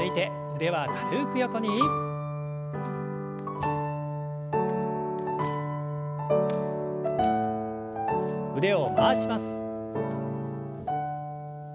腕を回します。